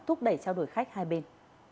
thúc đẩy trao đổi khách hai bên